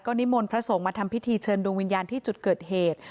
นิมนต์พระสงฆ์มาทำพิธีเชิญดวงวิญญาณที่จุดเกิดเหตุ